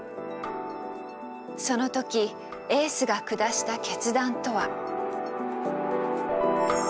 その時エースが下した決断とは。